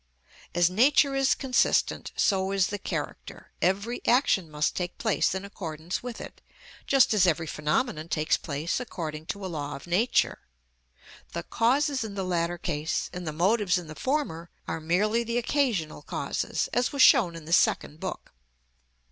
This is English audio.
As Nature is consistent, so is the character; every action must take place in accordance with it, just as every phenomenon takes place according to a law of Nature: the causes in the latter case and the motives in the former are merely the occasional causes, as was shown in the Second Book.